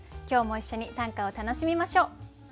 今日も一緒に短歌を楽しみましょう。